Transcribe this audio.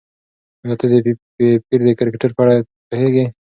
ایا ته د پییر د کرکټر په اړه څه پوهېږې؟